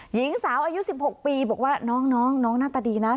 หญิงสาวอายุ๑๖ปีบอกว่าน้องน้องหน้าตาดีนะ